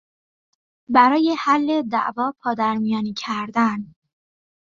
برای حل دعوا پادر میانی کردن